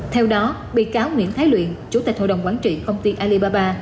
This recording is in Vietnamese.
theo đó bị cáo nguyễn thái luyện chủ tịch hội đồng quán trị công ty alibaba